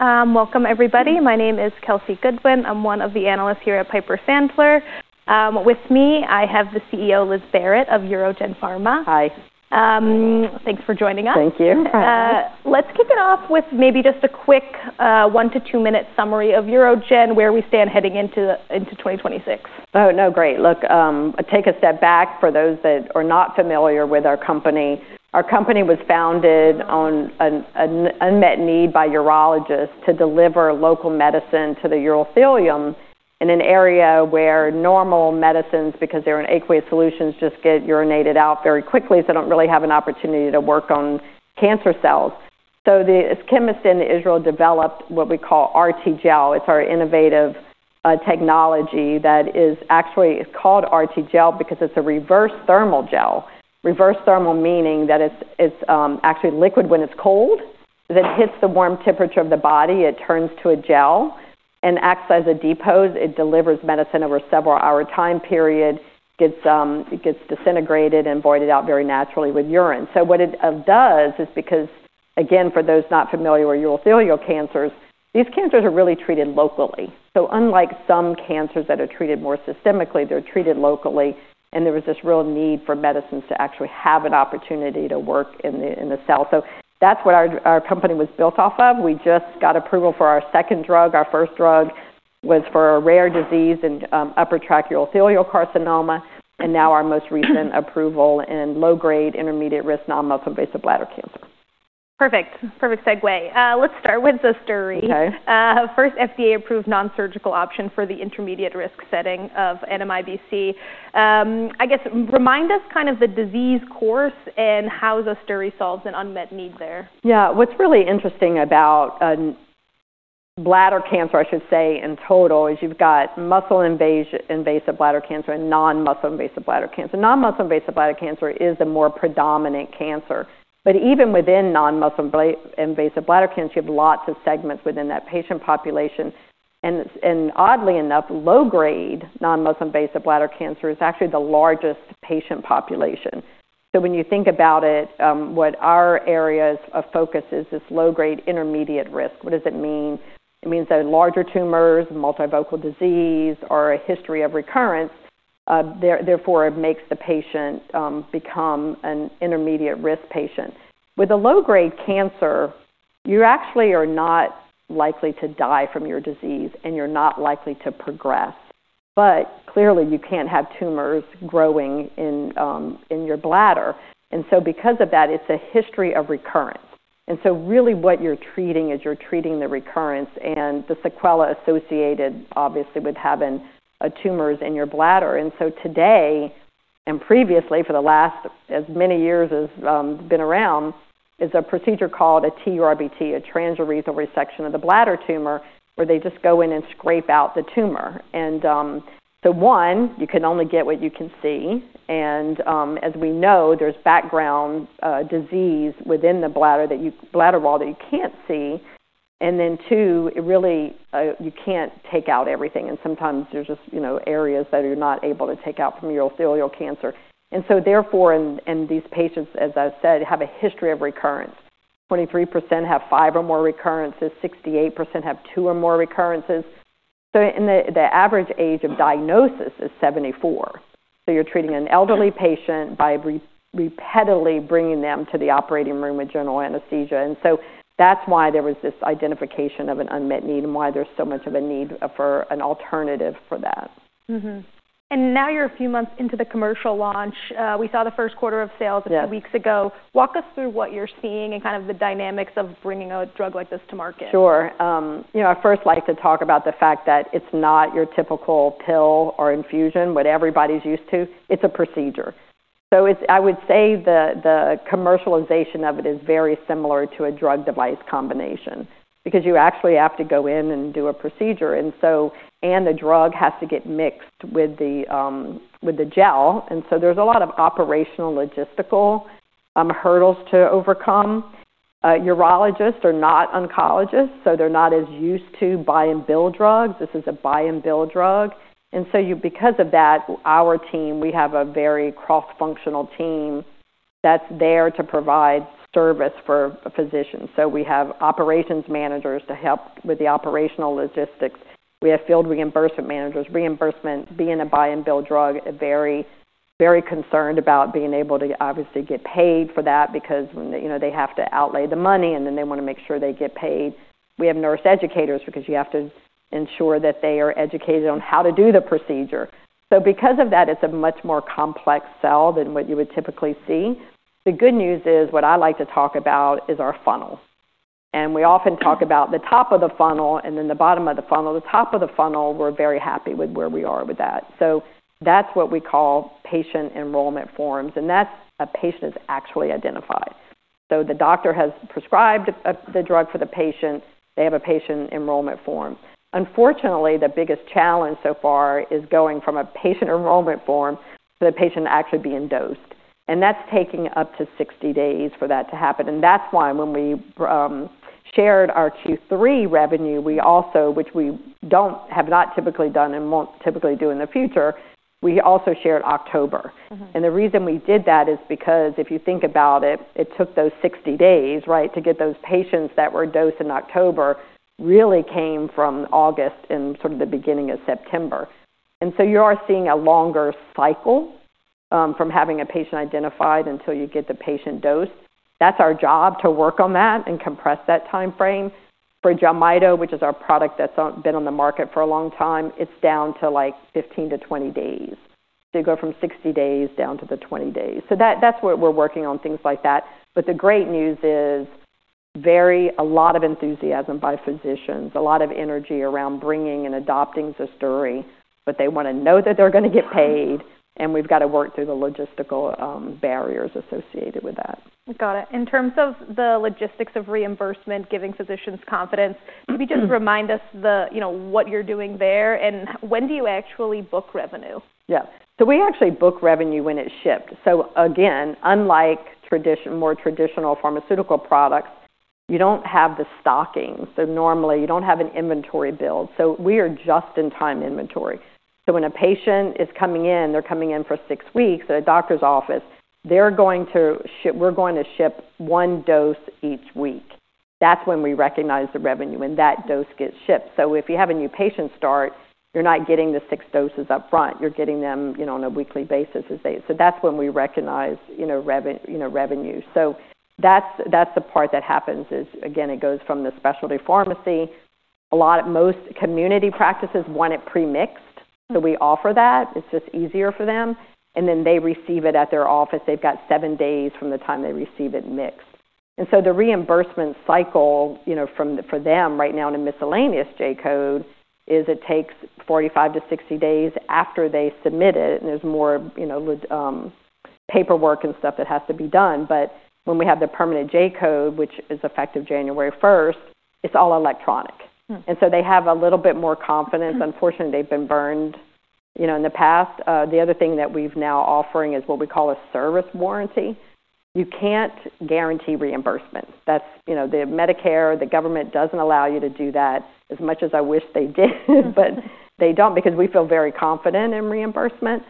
Great. Welcome, everybody. My name is Kelsey Goodwin. I'm one of the analysts here at Piper Sandler. With me, I have the CEO, Liz Barrett, of UroGen Pharma. Hi. Thanks for joining us. Thank you. Let's kick it off with maybe just a quick one- to two-minute summary of UroGen, where we stand heading into 2026. Oh, no, great. Look, I'll take a step back for those that are not familiar with our company. Our company was founded on an unmet need by urologists to deliver local medicine to the urothelium in an area where normal medicines, because they're in aqueous solutions, just get urinated out very quickly, so they don't really have an opportunity to work on cancer cells. So the chemists in Israel developed what we call RTGel. It's our innovative technology that is actually called RTGel because it's a reverse thermal gel. Reverse thermal meaning that it's actually liquid when it's cold. It hits the warm temperature of the body, it turns to a gel, and acts as a depot. It delivers medicine over a several-hour time period, gets disintegrated, and voided out very naturally with urine. So what it does is, because, again, for those not familiar with urothelial cancers, these cancers are really treated locally. So unlike some cancers that are treated more systemically, they're treated locally, and there was this real need for medicines to actually have an opportunity to work in the cell. So that's what our company was built off of. We just got approval for our second drug. Our first drug was for a rare disease in upper tract urothelial carcinoma, and now our most recent approval in low-grade, intermediate-risk non-muscle-invasive bladder cancer. Perfect. Perfect segue. Let's start with ZUSDURI, first FDA-approved non-surgical option for the intermediate-risk setting of NMIBC. I guess, remind us kind of the disease course and how ZUSDURI solves an unmet need there. Yeah. What's really interesting about bladder cancer, I should say, in total, is you've got muscle-invasive bladder cancer and non-muscle-invasive bladder cancer. Non-muscle-invasive bladder cancer is the more predominant cancer. But even within non-muscle-invasive bladder cancer, you have lots of segments within that patient population. And oddly enough, low-grade non-muscle-invasive bladder cancer is actually the largest patient population. So when you think about it, what our area of focus is this low-grade intermediate risk. What does it mean? It means that larger tumors, multifocal disease, or a history of recurrence. Therefore it makes the patient become an intermediate-risk patient. With a low-grade cancer, you actually are not likely to die from your disease, and you're not likely to progress. But clearly, you can't have tumors growing in your bladder. And so because of that, it's a history of recurrence. And so really what you're treating is the recurrence and the sequelae associated, obviously, with having tumors in your bladder. And so today, and previously for the last as many years as I've been around, is a procedure called a TURBT, a transurethral resection of the bladder tumor, where they just go in and scrape out the tumor. And so one, you can only get what you can see. And as we know, there's background disease within the bladder wall that you can't see. And then two, really you can't take out everything. And sometimes there's just areas that you're not able to take out from urothelial cancer. And so therefore, and these patients, as I said, have a history of recurrence. 23% have five or more recurrences. 68% have two or more recurrences. So the average age of diagnosis is 74%. So you're treating an elderly patient by repetitively bringing them to the operating room with general anesthesia. And so that's why there was this identification of an unmet need and why there's so much of a need for an alternative for that. Now you're a few months into the commercial launch. We saw the first quarter of sales a few weeks ago. Walk us through what you're seeing and kind of the dynamics of bringing a drug like this to market. Sure. I first like to talk about the fact that it's not your typical pill or infusion, what everybody's used to. It's a procedure, so I would say the commercialization of it is very similar to a drug-device combination because you actually have to go in and do a procedure, and the drug has to get mixed with the gel, and so there's a lot of operational logistical hurdles to overcome. Urologists are not oncologists, so they're not as used to buy-and-bill drugs. This is a buy-and-bill drug, and so because of that, our team, we have a very cross-functional team that's there to provide service for physicians, so we have operations managers to help with the operational logistics. We have field reimbursement managers. Reimbursement, being a buy-and-bill drug, very concerned about being able to obviously get paid for that because they have to outlay the money, and then they want to make sure they get paid. We have nurse educators because you have to ensure that they are educated on how to do the procedure. So because of that, it's a much more complex sell than what you would typically see. The good news is what I like to talk about is our funnel, and we often talk about the top of the funnel and then the bottom of the funnel. The top of the funnel, we're very happy with where we are with that, so that's what we call patient enrollment forms. And that's a patient is actually identified. So the doctor has prescribed the drug for the patient. They have a patient enrollment form. Unfortunately, the biggest challenge so far is going from a patient enrollment form to the patient actually being dosed. And that's taking up to 60 days for that to happen. And that's why when we shared our Q3 revenue, we also, which we have not typically done and won't typically do in the future, we also shared October. And the reason we did that is because if you think about it, it took those 60 days, right, to get those patients that were dosed in October, really came from August and sort of the beginning of September. And so you are seeing a longer cycle from having a patient identified until you get the patient dosed. That's our job to work on that and compress that time frame. For JELMYTO, which is our product that's been on the market for a long time, it's down to like 15-20 days. So you go from 60 days down to the 20 days. So that's what we're working on, things like that. But the great news is very a lot of enthusiasm by physicians, a lot of energy around bringing and adopting UGN-102, but they want to know that they're going to get paid, and we've got to work through the logistical barriers associated with that. Got it. In terms of the logistics of reimbursement, giving physicians confidence, could you just remind us what you're doing there and when do you actually book revenue? Yeah. So we actually book revenue when it's shipped. So again, unlike more traditional pharmaceutical products, you don't have the stocking. So normally you don't have an inventory build. So we are just-in-time inventory. So when a patient is coming in, they're coming in for six weeks at a doctor's office, we're going to ship one dose each week. That's when we recognize the revenue, and that dose gets shipped. So if you have a new patient start, you're not getting the six doses upfront. You're getting them on a weekly basis. So that's when we recognize revenue. So that's the part that happens, is, again, it goes from the specialty pharmacy. Most community practices want it premixed. So we offer that. It's just easier for them. And then they receive it at their office. They've got seven days from the time they receive it mixed. And so the reimbursement cycle for them right now in a miscellaneous J-code is it takes 45-60 days after they submit it, and there's more paperwork and stuff that has to be done. But when we have the permanent J-code, which is effective January 1st, it's all electronic. And so they have a little bit more confidence. Unfortunately, they've been burned in the past. The other thing that we've now offering is what we call a service warranty. You can't guarantee reimbursement. The Medicare, the government doesn't allow you to do that as much as I wish they did, but they don't because we feel very confident in reimbursement.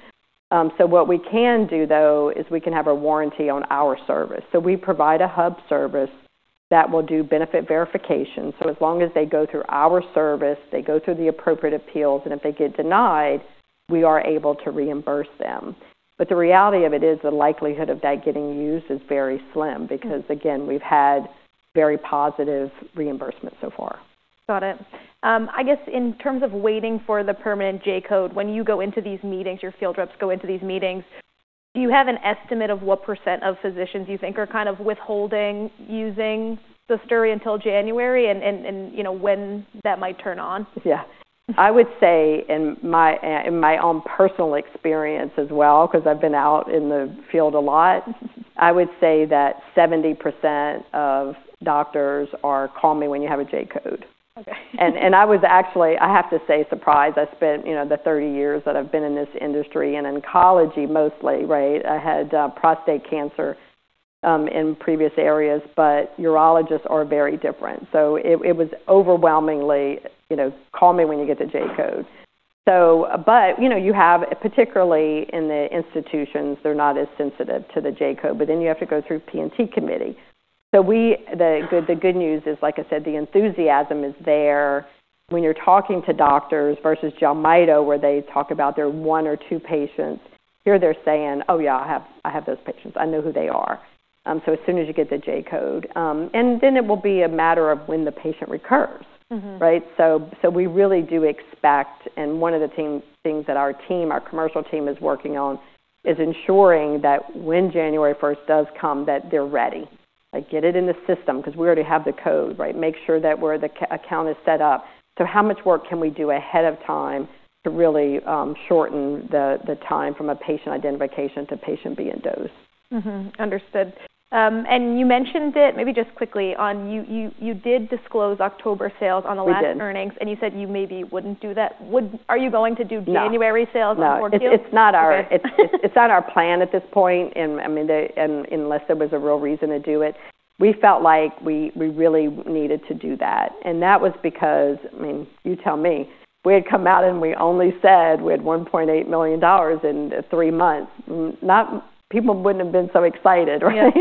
So what we can do, though, is we can have a warranty on our service. So we provide a hub service that will do benefit verification. So as long as they go through our service, they go through the appropriate appeals, and if they get denied, we are able to reimburse them. But the reality of it is the likelihood of that getting used is very slim because, again, we've had very positive reimbursement so far. Got it. I guess in terms of waiting for the permanent J-code, when you go into these meetings, your field reps go into these meetings, do you have an estimate of what percent of physicians you think are kind of withholding using ZUSDURI until January and when that might turn on? Yeah. I would say in my own personal experience as well, because I've been out in the field a lot. I would say that 70% of doctors are call me when you have a J-code. And I was actually, I have to say, surprised. I spent the 30 years that I've been in this industry in oncology mostly, right? I had prostate cancer in previous areas, but urologists are very different. So it was overwhelmingly, "Call me when you get the J-code." But you have, particularly in the institutions, they're not as sensitive to the J-code, but then you have to go through P&T committee. So the good news is, like I said, the enthusiasm is there when you're talking to doctors versus JELMYTO, where they talk about their one or two patients. Here they're saying, "Oh, yeah, I have those patients. I know who they are." So as soon as you get the J-code. And then it will be a matter of when the patient recurs, right? So we really do expect, and one of the things that our team, our commercial team, is working on is ensuring that when January 1st does come, that they're ready. Get it in the system because we already have the code, right? Make sure that the account is set up. So how much work can we do ahead of time to really shorten the time from a patient identification to patient being dosed? Understood. And you mentioned it, maybe just quickly, you did disclose October sales on the last earnings, and you said you maybe wouldn't do that. Are you going to do January sales on the fourth quarter? It's not our plan at this point, unless there was a real reason to do it. We felt like we really needed to do that. And that was because, I mean, you tell me, we had come out and we only said we had $1.8 million in three months. People wouldn't have been so excited, right?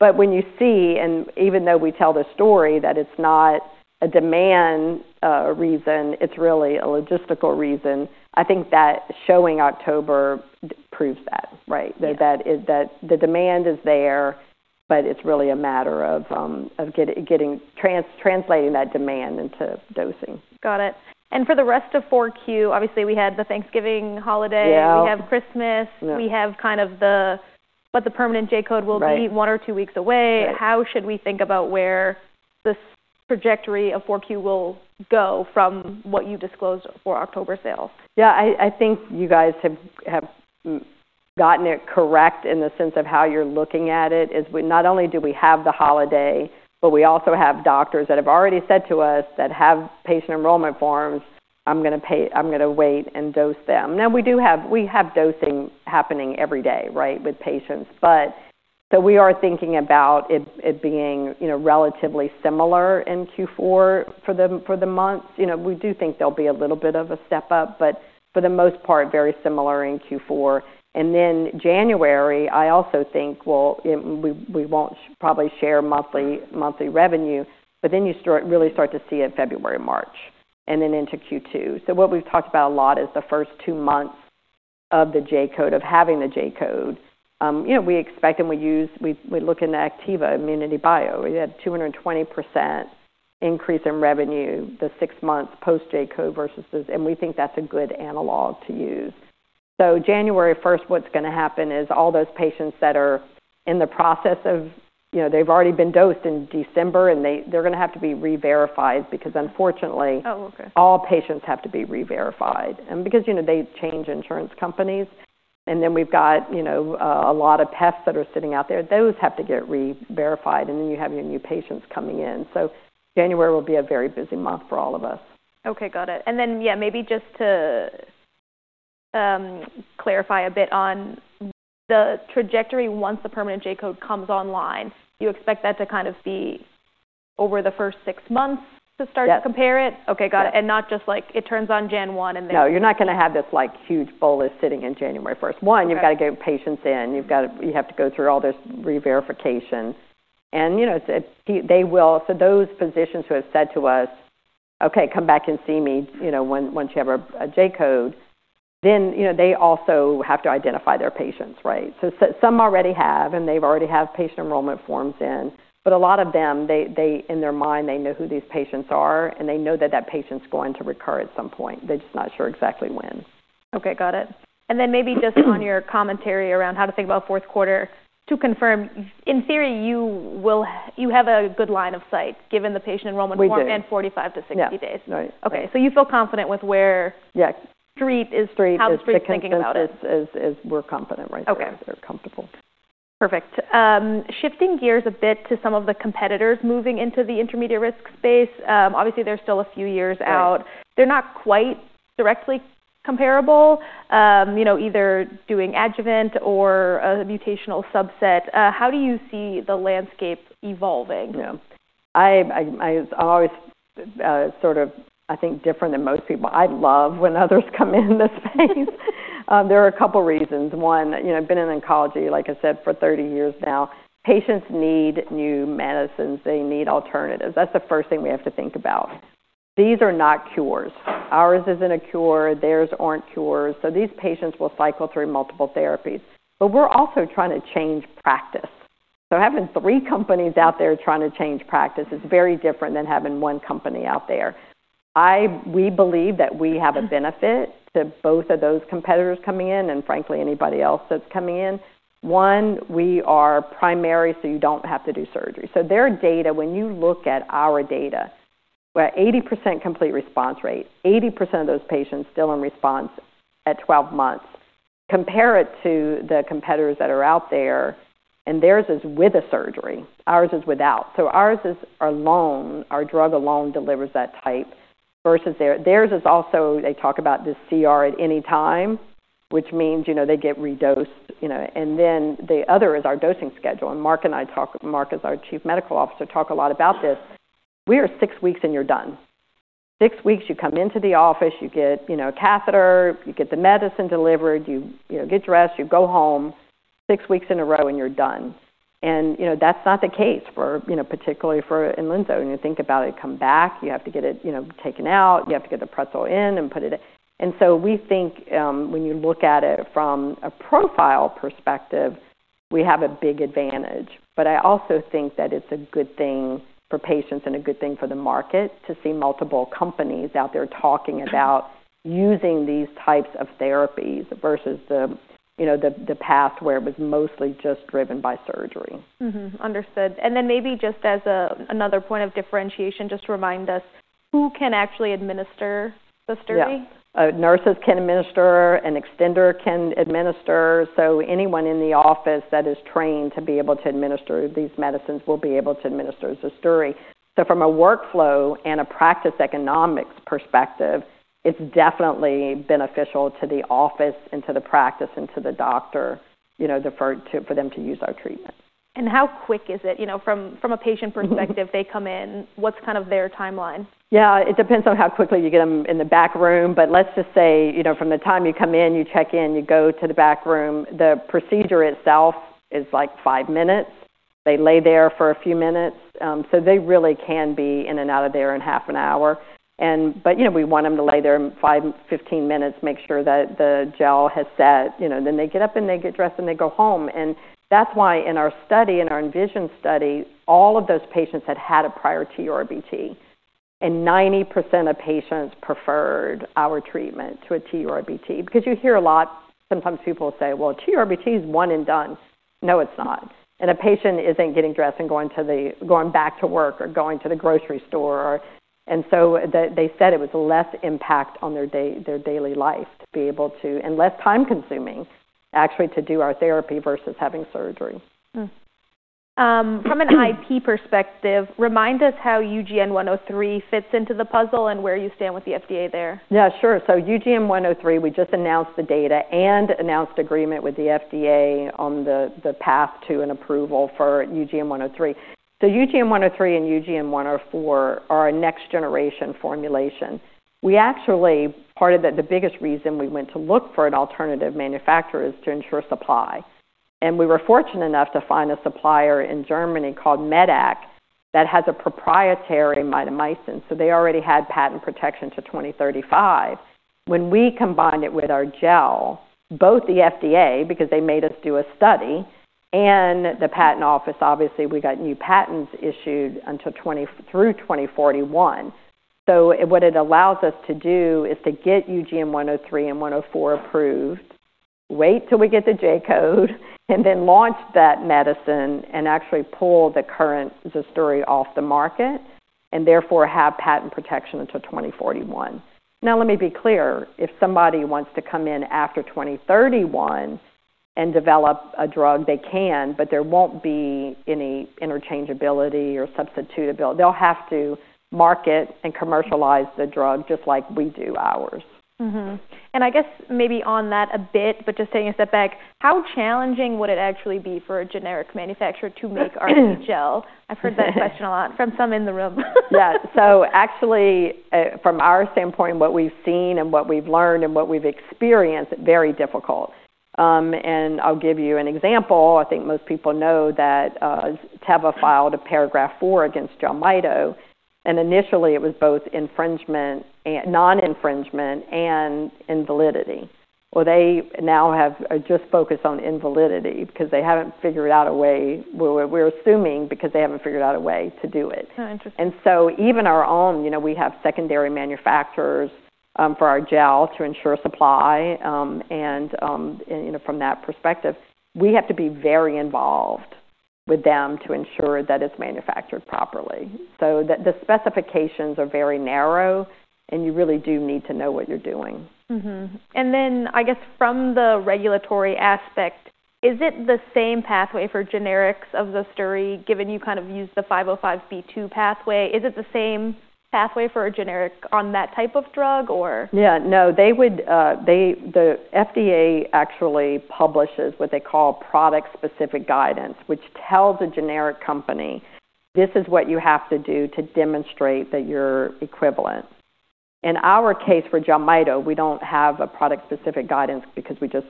But when you see, and even though we tell the story that it's not a demand reason, it's really a logistical reason, I think that showing October proves that, right? That the demand is there, but it's really a matter of translating that demand into dosing. Got it. And for the rest of 4Q, obviously we had the Thanksgiving holiday. We have Christmas. We have kind of what the permanent J-code will be one or two weeks away. How should we think about where this trajectory of 4Q will go from what you disclosed for October sales? Yeah. I think you guys have gotten it correct in the sense of how you're looking at it. Not only do we have the holiday, but we also have doctors that have already said to us that have patient enrollment forms, "I'm going to wait and dose them." Now, we do have dosing happening every day, right, with patients. So we are thinking about it being relatively similar in Q4 for the months. We do think there'll be a little bit of a step up, but for the most part, very similar in Q4. And then January, I also think, well, we won't probably share monthly revenue, but then you really start to see it February, March, and then into Q2. So what we've talked about a lot is the first two months of the J-code, of having the J-code. We expect and we look in ANKTIVA ImmunityBio, we had a 220% increase in revenue the six months post-J-code versus this, and we think that's a good analog to use. So January 1st, what's going to happen is all those patients that are in the process of they've already been dosed in December, and they're going to have to be re-verified because, unfortunately, all patients have to be re-verified. And because they change insurance companies, and then we've got a lot of patients that are sitting out there, those have to get re-verified, and then you have your new patients coming in. So January will be a very busy month for all of us. Okay. Got it. And then, yeah, maybe just to clarify a bit on the trajectory once the permanent J-code comes online, you expect that to kind of be over the first six months to start to compare it? Yes. Okay. Got it, and not just like it turns on January 1 and then. No, you're not going to have this huge bullet sitting in January 1st. One, you've got to get patients in. You have to go through all this re-verification. And they will, so those physicians who have said to us, "Okay, come back and see me once you have a J-code," then they also have to identify their patients, right? So some already have, and they've already had patient enrollment forms in. But a lot of them, in their mind, they know who these patients are, and they know that that patient's going to recur at some point. They're just not sure exactly when. Okay. Got it. And then maybe just on your commentary around how to think about fourth quarter, to confirm, in theory, you have a good line of sight given the patient enrollment from 45-60 days. Yeah. Right. Okay. So you feel confident with where the Street is, how the Street is thinking about it? Street and patients. We're confident right now. They're comfortable. Perfect. Shifting gears a bit to some of the competitors moving into the intermediate risk space. Obviously, they're still a few years out. They're not quite directly comparable, either doing adjuvant or a mutational subset. How do you see the landscape evolving? Yeah. I'm always sort of, I think, different than most people. I love when others come in this space. There are a couple of reasons. One, I've been in oncology, like I said, for 30 years now. Patients need new medicines. They need alternatives. That's the first thing we have to think about. These are not cures. Ours isn't a cure. Theirs aren't cures. So these patients will cycle through multiple therapies. But we're also trying to change practice. So having three companies out there trying to change practice is very different than having one company out there. We believe that we have a benefit to both of those competitors coming in and, frankly, anybody else that's coming in. One, we are primary, so you don't have to do surgery. So their data, when you look at our data, we're at 80% complete response rate. 80% of those patients still in response at 12 months. Compare it to the competitors that are out there, and theirs is with a surgery. Ours is without. So ours is our drug alone delivers that type versus theirs. Theirs is also they talk about the CR at any time, which means they get redosed. And then the other is our dosing schedule. And Mark and I talked, Mark is our Chief Medical Officer, talk a lot about this. We are six weeks and you're done. Six weeks, you come into the office, you get a catheter, you get the medicine delivered, you get dressed, you go home six weeks in a row and you're done. And that's not the case, particularly for TAR-200. When you think about it, come back, you have to get it taken out, you have to get the pretzel in and put it in. And so we think when you look at it from a profile perspective, we have a big advantage. But I also think that it's a good thing for patients and a good thing for the market to see multiple companies out there talking about using these types of therapies versus the path where it was mostly just driven by surgery. Understood. And then maybe just as another point of differentiation, just to remind us, who can actually administer UGN-102? Yeah. Nurses can administer. An extender can administer. So anyone in the office that is trained to be able to administer these medicines will be able to administer UGN-102. So from a workflow and a practice economics perspective, it's definitely beneficial to the office and to the practice and to the doctor for them to use our treatment. How quick is it? From a patient perspective, they come in. What's kind of their timeline? Yeah. It depends on how quickly you get them in the back room. But let's just say from the time you come in, you check in, you go to the back room. The procedure itself is like five minutes. They lay there for a few minutes. So they really can be in and out of there in half an hour. But we want them to lay there 15 minutes, make sure that the gel has set. Then they get up and they get dressed and they go home. And that's why in our study, in our ENVISION study, all of those patients had had a prior TURBT. And 90% of patients preferred our treatment to a TURBT because you hear a lot sometimes people say, "Well, TURBT is one and done." No, it's not. A patient isn't getting dressed and going back to work or going to the grocery store. So they said it was less impact on their daily life to be able to and less time-consuming, actually, to do our therapy versus having surgery. From an IP perspective, remind us how UGN-103 fits into the puzzle and where you stand with the FDA there? Yeah, sure. So UGN-103, we just announced the data and announced agreement with the FDA on the path to an approval for UGN-103. So UGN-103 and UGN-104 are a next-generation formulation. We actually part of the biggest reason we went to look for an alternative manufacturer is to ensure supply. And we were fortunate enough to find a supplier in Germany called Medac that has a proprietary mitomycin. So they already had patent protection to 2035. When we combined it with our gel, both the FDA because they made us do a study and the patent office, obviously, we got new patents issued through 2041. So what it allows us to do is to get UGN-103 and UGN-104 approved, wait till we get the J-code, and then launch that medicine and actually pull the current UGN-102 off the market and therefore have patent protection until 2041. Now, let me be clear. If somebody wants to come in after 2031 and develop a drug, they can, but there won't be any interchangeability or substitutability. They will have to market and commercialize the drug just like we do ours. I guess maybe on that a bit, but just taking a step back, how challenging would it actually be for a generic manufacturer to make our new gel? I've heard that question a lot from some in the room. Yeah, so actually, from our standpoint, what we've seen and what we've learned and what we've experienced, very difficult, and I'll give you an example. I think most people know that Teva filed a Paragraph IV against JELMYTO, and initially it was both non-infringement and invalidity. Well, they now have just focused on invalidity because they haven't figured out a way we're assuming because they haven't figured out a way to do it. And so even our own, we have secondary manufacturers for our gel to ensure supply. And from that perspective, we have to be very involved with them to ensure that it's manufactured properly. So the specifications are very narrow, and you really do need to know what you're doing. And then, I guess, from the regulatory aspect, is it the same pathway for generics of UGN-102 given you kind of used the 505(b)(2) pathway? Is it the same pathway for a generic on that type of drug, or? Yeah. No, the FDA actually publishes what they call product-specific guidance, which tells a generic company, "This is what you have to do to demonstrate that you're equivalent." In our case for JELMYTO, we don't have a product-specific guidance because we just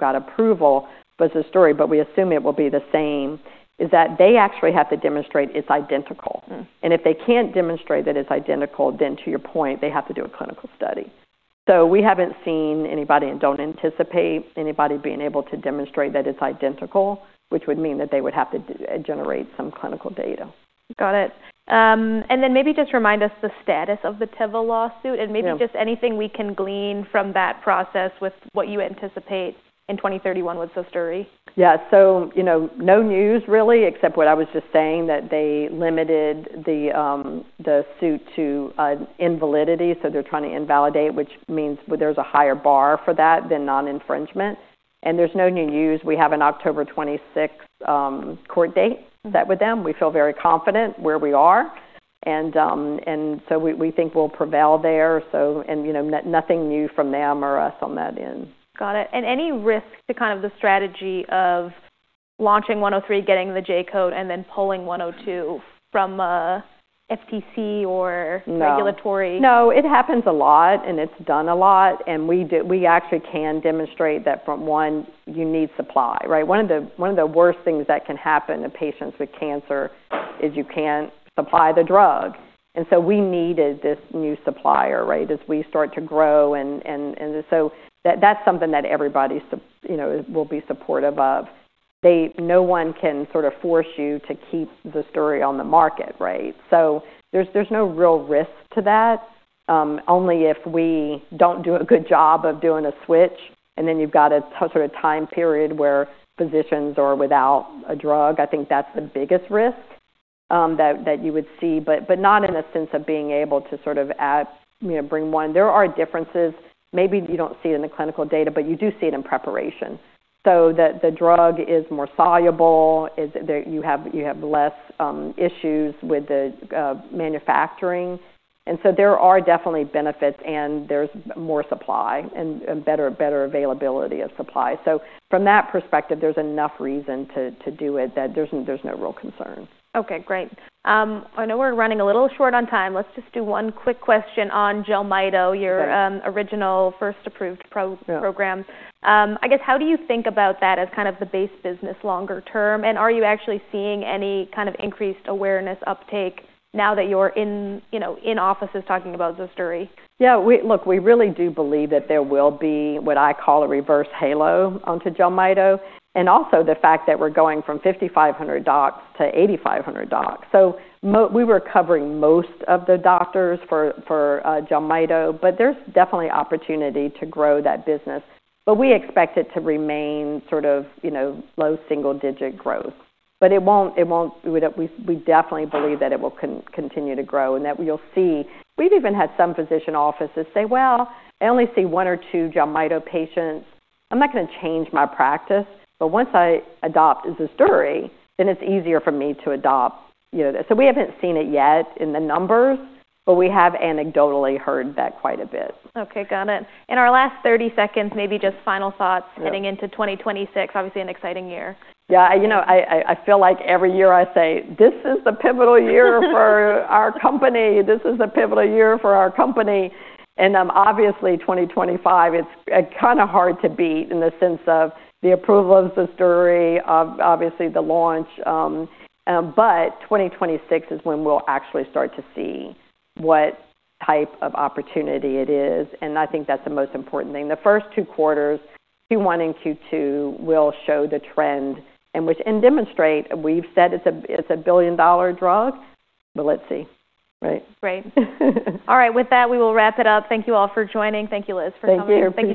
got approval for UGN-102, but we assume it will be the same, is that they actually have to demonstrate it's identical. And if they can't demonstrate that it's identical, then to your point, they have to do a clinical study. So we haven't seen anybody and don't anticipate anybody being able to demonstrate that it's identical, which would mean that they would have to generate some clinical data. Got it. And then maybe just remind us the status of the Teva lawsuit and maybe just anything we can glean from that process with what you anticipate in 2031 with UGN-102. Yeah. So no news really, except what I was just saying, that they limited the suit to invalidity. So they're trying to invalidate, which means there's a higher bar for that than non-infringement. And there's no new news. We have an October 26 court date set with them. We feel very confident where we are. And so we think we'll prevail there. And nothing new from them or us on that end. Got it. And any risk to kind of the strategy of launching 103, getting the J-code, and then pulling 102 from FDA or regulatory? No. It happens a lot, and it's done a lot. And we actually can demonstrate that, from one, you need supply, right? One of the worst things that can happen to patients with cancer is you can't supply the drug. And so we needed this new supplier, right, as we start to grow. And so that's something that everybody will be supportive of. No one can sort of force you to keep UGN-102 on the market, right? So there's no real risk to that, only if we don't do a good job of doing a switch. And then you've got a sort of time period where physicians are without a drug. I think that's the biggest risk that you would see, but not in the sense of being able to sort of bring one. There are differences. Maybe you don't see it in the clinical data, but you do see it in preparation. So the drug is more soluble. You have less issues with the manufacturing. And so there are definitely benefits, and there's more supply and better availability of supply. So from that perspective, there's enough reason to do it that there's no real concern. Okay. Great. I know we're running a little short on time. Let's just do one quick question on JELMYTO, your original first approved program. I guess, how do you think about that as kind of the base business longer term? And are you actually seeing any kind of increased awareness uptake now that you're in offices talking about UGN-102? Yeah. Look, we really do believe that there will be what I call a reverse halo onto JELMYTO and also the fact that we're going from 5,500 docs to 8,500 docs. So we were covering most of the doctors for JELMYTO, but there's definitely opportunity to grow that business. But we expect it to remain sort of low single-digit growth. But we definitely believe that it will continue to grow and that we'll see. We've even had some physician offices say, "Well, I only see one or two JELMYTO patients. I'm not going to change my practice. But once I adopt UGN-102, then it's easier for me to adopt." So we haven't seen it yet in the numbers, but we have anecdotally heard that quite a bit. Okay. Got it. In our last 30 seconds, maybe just final thoughts heading into 2026, obviously an exciting year. Yeah. I feel like every year I say, "This is the pivotal year for our company. This is the pivotal year for our company." And obviously, 2025, it's kind of hard to beat in the sense of the approval of UGN-102, obviously the launch. But 2026 is when we'll actually start to see what type of opportunity it is. And I think that's the most important thing. The first two quarters, Q1 and Q2 will show the trend and demonstrate. We've said it's a billion-dollar drug, but let's see, right? Great. All right. With that, we will wrap it up. Thank you all for joining. Thank you, Liz, for coming. Thank you.